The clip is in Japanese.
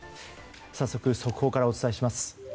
早速、速報からお伝えします。